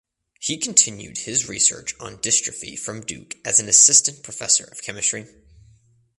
He continued his research on dystrophy from Duke as an assistant professor of chemistry.